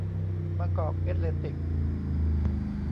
บางกอกเอธเลติก